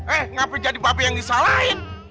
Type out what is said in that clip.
eh ngapain jadi bapak yang disalahin